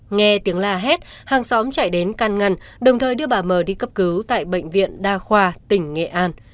nghe tiếng la hét hàng xóm chạy đến can ngăn đồng thời đưa bà mờ đi cấp cứu tại bệnh viện đa khoa tỉnh nghệ an